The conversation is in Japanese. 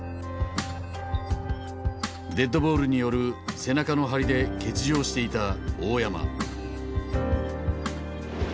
デッドボールによる背中の張りで欠場していた大山。